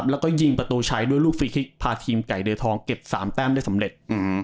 แล้วก็ยิงประตูชัยด้วยลูกฟรีคลิกพาทีมไก่เดือทองเก็บ๓แต้มได้สำเร็จ